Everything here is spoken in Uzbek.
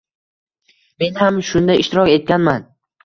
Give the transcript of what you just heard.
Men ham bunda ishtirok etganman.